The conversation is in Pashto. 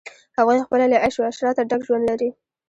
هغوی خپله له عیش و عشرته ډک ژوند لري.